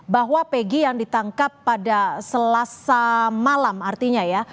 bahwa peggy yang ditangkap pada selasa malam artinya ya